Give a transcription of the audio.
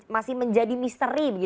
masih menjadi misteri